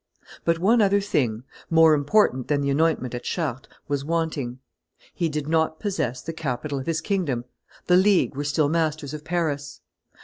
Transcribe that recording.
But one other thing, more important than the anointment at Chartres, was wanting. He did not possess the capital of his kingdom the League were still masters of Paris.